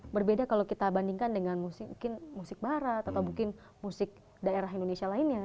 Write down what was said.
berbeda kalau kita bandingkan dengan musik mungkin musik barat atau mungkin musik daerah indonesia lainnya